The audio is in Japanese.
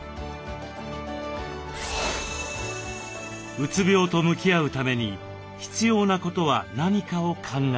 うつ病と向きあうために必要なことは何かを考えます。